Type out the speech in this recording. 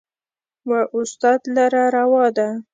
و استاد لره روا ده